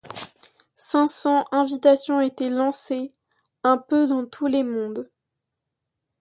Cinq cents invitations étaient lancées, un peu dans tous les mondes.